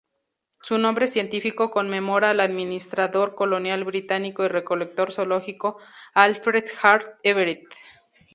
Su nombre científico conmemora al administrador colonial británico y recolector zoológico Alfred Hart Everett.